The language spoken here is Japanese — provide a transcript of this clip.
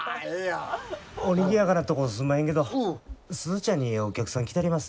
おにぎやかなとこすんまへんけど鈴ちゃんにお客さん来てはりまっせ。